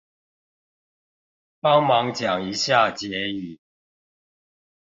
幫忙講一下結語